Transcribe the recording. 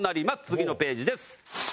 次のページです。